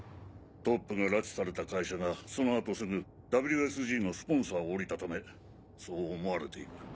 トップが拉致された会社がその後すぐＷＳＧのスポンサーを降りたためそう思われている。